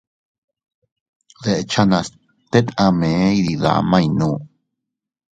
Deʼchanas tet a mee iydidamay nuu.